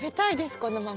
このまま。